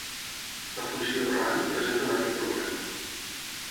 La funció "rand" presenta un altre problema.